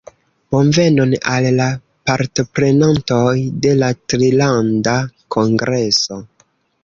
Bonvenon al la partoprenantoj de la Trilanda Kongreso